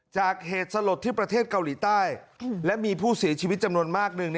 เหตุสลดที่ประเทศเกาหลีใต้และมีผู้เสียชีวิตจำนวนมากหนึ่ง